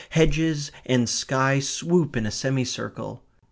Hedges and sky swoop in a semicircle.